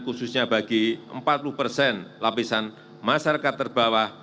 khususnya bagi empat puluh persen lapisan masyarakat terbawah